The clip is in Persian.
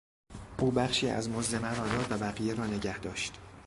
او بخشی از مزد مرا داد و بقیه را نگهداشت.